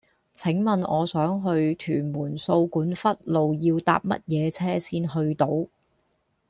請問我想去屯門掃管笏路要搭乜嘢車先去到